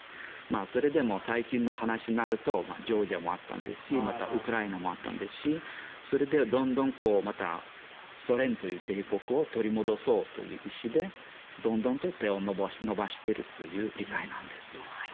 それで、最近の話になるとジョージアもあったしまたウクライナもありましたしどんどんソ連という帝国を取り戻そうという意思でどんどんと手を伸ばしているという理解なんです。